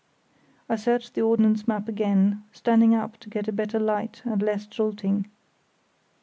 I searched the ordnance map again, standing up to get a better light and less jolting.